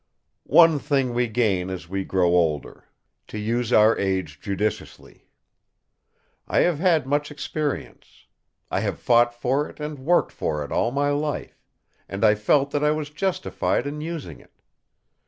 "One thing we gain as we grow older: to use our age judiciously! I have had much experience. I have fought for it and worked for it all my life; and I felt that I was justified in using it.